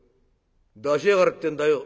出しやがれってんだよ」。